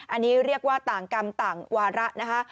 อันนี้เรียกว่าต่างกรรมต่างวาระนะคะ